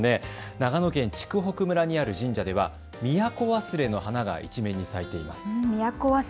長野県筑北村にある神社ではミヤコワスレの花が一面に咲いています。